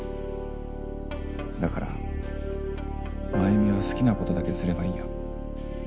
だから繭美は好きなことだけすればいいよ。